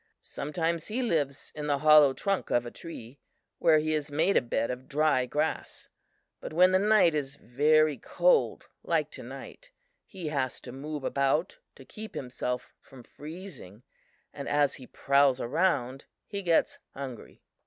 Sometimes he lives in the hollow trunk of a tree, where he has made a bed of dry grass; but when the night is very cold, like to night, he has to move about to keep himself from freezing and as he prowls around, he gets hungry."